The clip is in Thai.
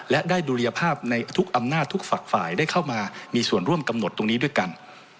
และได้ดุลยภาพในทุกอำนาจทุกฝักฝ่ายได้เข้ามามีส่วนร่วมกำหนดตรงนี้ด้วยกัน